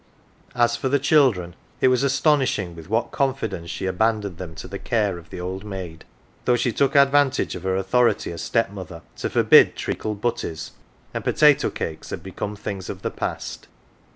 As for the children, it was astonishing with what confidence she abandoned them to the care of the old maid; though she took advantage of her authority as step mother to forbid treacle butties, and potato cakes had become things of the past.